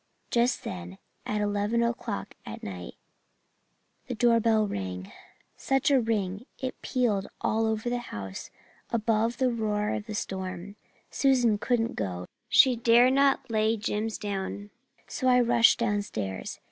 "Just then at eleven o'clock at night the door bell rang. Such a ring it pealed all over the house above the roar of the storm. Susan couldn't go she dared not lay Jims down so I rushed downstairs.